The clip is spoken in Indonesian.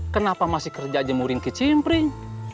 kenapa masih kerja jemurin kecimpring